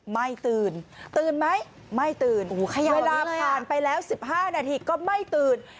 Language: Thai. ไม่ตื่นตื่นไหมไม่ตื่นโอ้โหขย่าวนี้เลยอ่ะเวลาผ่านไปแล้วสิบห้านาทีก็ไม่ตื่น